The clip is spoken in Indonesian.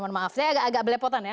mohon maaf saya agak agak belepotan ya